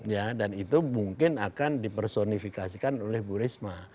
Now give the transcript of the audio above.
ya dan itu mungkin akan dipersonifikasikan oleh bu risma